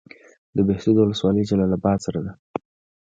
د بهسودو ولسوالۍ جلال اباد سره ده